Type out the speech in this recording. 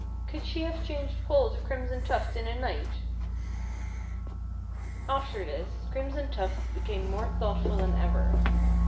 Could she have changed Paul to Crimson Tuft in a night? After this, Crimson Tuft became more thoughtful than ever.